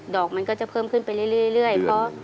อกมันก็จะเพิ่มขึ้นไปเรื่อย